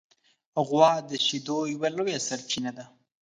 غوا د شیدو یوه لویه سرچینه ده.